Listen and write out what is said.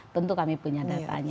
tentu kami punya datanya